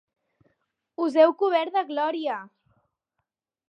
Us heu cobert de glòria!